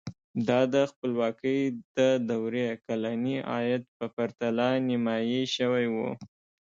دا د خپلواکۍ د دورې کلني عاید په پرتله نیمايي شوی و.